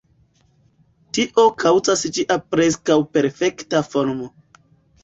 Tio kaŭzas ĝia preskaŭ perfekta formo.